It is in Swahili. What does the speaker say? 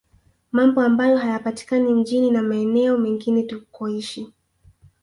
Mambo ambayo hayapatikani mjini na maeneo mengine tukoishi